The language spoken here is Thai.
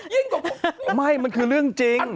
ยิ่งกว่าอันตรายกว่าโควิดคือเธอนี่ไม่มันคือเรื่องจริง